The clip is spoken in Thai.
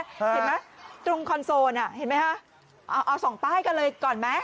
เห็นไหมตรงคอนโซลอ่ะเห็นไหมฮะเอาสองป้ายกันเลยก่อนไหม